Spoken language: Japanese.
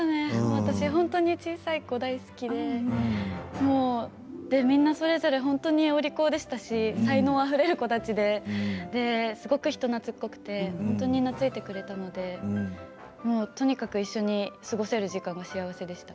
私、本当に小さい子が大好きでみんな、それぞれお利口で才能あふれる子たちで人なつっこくて本当に懐いてくれたのでとにかく一緒に過ごせる時間が幸せでした。